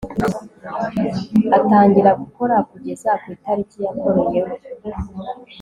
atangira gukora kugeza ku itariki yakoreyeho